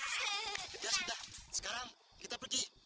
ya sudah sekarang kita pergi